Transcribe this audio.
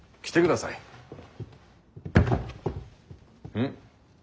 うん？